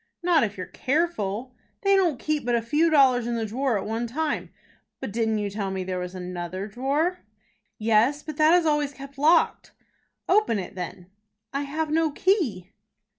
"Not if you're careful." "They don't keep but a few dollars in the drawer at one time." "But didn't you tell me there was another drawer?" "Yes; but that is always kept locked." "Open it then." "I have no key."